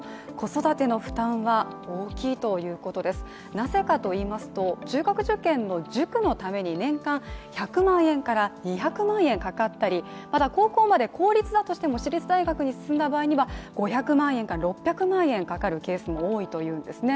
なぜかといいますと、中学受験の塾のために年間１００万円から２００万円かかったり、また高校まで公立だとしても私立大学に進んだ場合には５００万円から６００万円かかるケースも多いというんですね。